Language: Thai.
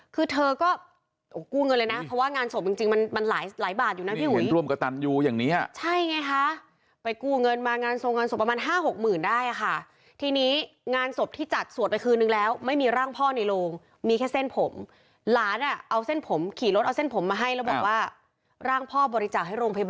คือเธอก็กูเงินเลยนะเพราะว่างานส่งจริงมันหลายบาทอยู่นะพี่หุย